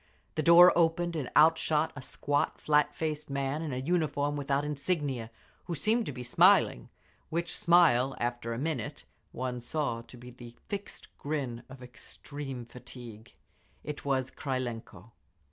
The door opened, and out shot a squat, flat faced man in a uniform without insignia, who seemed to be smiling—which smile, after a minute, one saw to be the fixed grin of extreme fatigue. It was Krylenko.